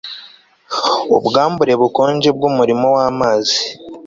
ubwambure bukonje bwumurimo wamazi